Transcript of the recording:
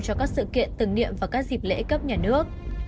cho các sự kiện tưởng niệm vào các dịp lễ cấp nhà nước